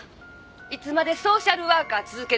いつまでソーシャルワーカー続けるわけ？